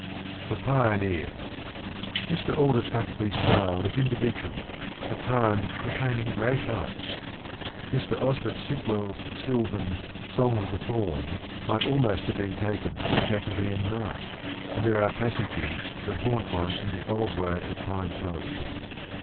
THE PIONEER. Mr. Aldous Huxley's style is individual, at times attaining great heights. Mr. Osbett Sitwell's sylvan ' Song of the Fauns' might almost have been taken from a Jacobean masque, and there are passages that haunt one in the old way of fine poetry.